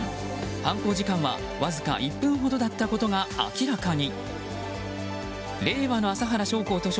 犯行時間は、わずか１分ほどだったことが明らかに。